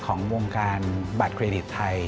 ของวงการบัตรเครดิตไทย